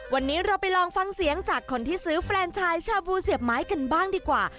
วันนี้เราไปลองฟังเสียงจากคนที่ซื้อแฟนชายชาบูเสียบไม้กันบ้างดีกว่า